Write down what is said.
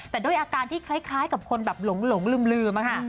แต่โดยอาการที่คล้ายกับคนหลงลืมมาค่ะ